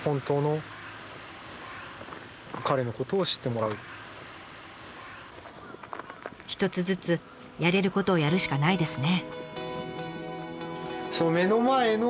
こちら側としては一つずつやれることをやるしかないですね。